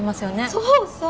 そうそう。